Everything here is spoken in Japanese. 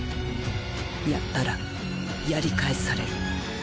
やったらやり返される。